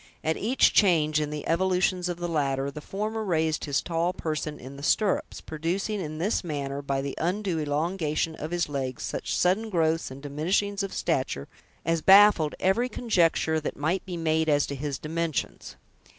At each change in the evolutions of the latter, the former raised his tall person in the stirrups; producing, in this manner, by the undue elongation of his legs, such sudden growths and diminishings of the stature, as baffled every conjecture that might be made as to his dimensions.